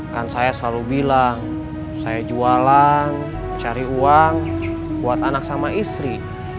kan saya selalu bilang saya jualan cari uang buat anak sama istri